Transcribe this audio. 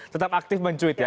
tetap aktif men tweet ya